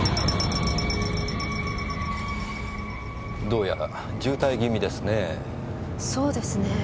どうやら渋滞気味ですねぇ。